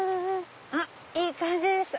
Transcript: あっいい感じです！